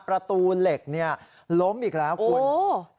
ประตูเหล็กล้มอีกแล้วครับคุณ